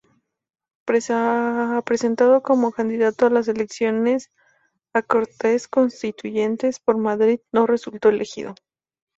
Presentado como candidato a las elecciones a Cortes Constituyentes por Madrid, no resultó elegido.